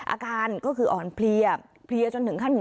อาการก็คืออ่อนเพลียเพลียจนถึงขั้น